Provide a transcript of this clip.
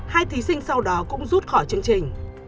hai thí sinh sau đó cũng rút khỏi chương trình